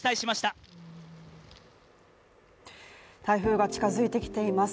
台風が近づいてきています。